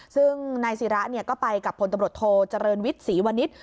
ซึ่งนายศิราก็ไปกับผลตบริษฐ์โทรเจริญวิทธ์ศรีวณิศ